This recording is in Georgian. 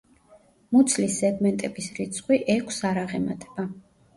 მუცლის სეგმენტების რიცხვი ექვსს არ აღემატება.